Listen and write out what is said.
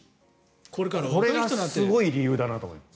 これはすごい理由だなと思います。